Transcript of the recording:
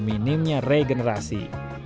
karena minimnya regenerasi